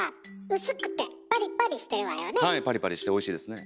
はいパリパリしておいしいですね。